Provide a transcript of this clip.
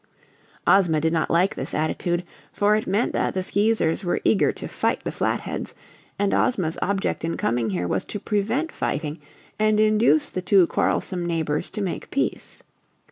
Ozma did not like this attitude, for it meant that the Skeezers were eager to fight the Flatheads, and Ozma's object in coming here was to prevent fighting and induce the two quarrelsome neighbors to make peace.